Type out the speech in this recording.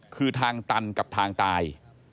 คือทางตันกับทางตาย